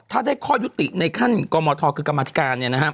ถ้าได้ข้อยุติในขั้นกรมธคือกรมธิการ